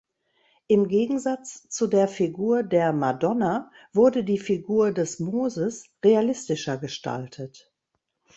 Im Gegensatz zu der Figur der Madonna wurde die Figur des Moses realistischer gestaltet.